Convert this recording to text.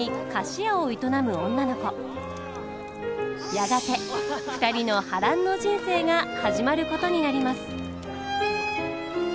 やがて２人の波乱の人生が始まることになります。